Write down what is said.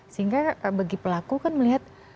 sehingga bagi pelaku kan melihat